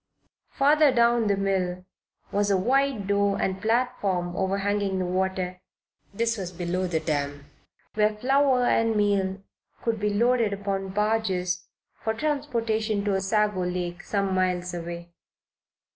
Farther down the mill was a wide door and platform overhanging the water (this was below the dam) where flour and meal could be loaded upon barges for transportation to Osago Lake, some miles away.